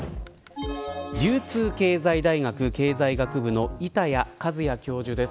流通経済大学経済学部の板谷和也教授です。